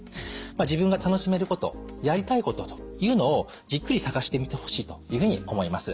自分が楽しめることやりたいことというのをじっくり探してみてほしいというふうに思います。